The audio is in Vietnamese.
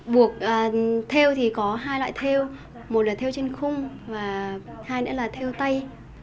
buộc theo thì có hai loại theo một là theo trên khung và hai nữa là theo tay